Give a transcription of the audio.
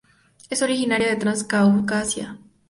Es originaria de Transcaucasia.